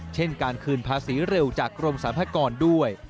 เช่นการคืนภาษีเร็วจากกรมสรรพากรด้วย